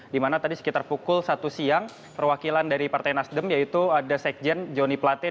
dimana tadi sekitar pukul satu siang perwakilan dari partai nasdem yaitu ada sekjen joni plate